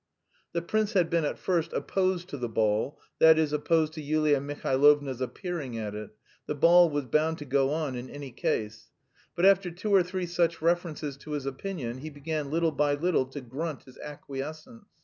The prince had been at first opposed to the ball (that is, opposed to Yulia Mihailovna's appearing at it; the ball was bound to go on in any case), but after two or three such references to his opinion he began little by little to grunt his acquiescence.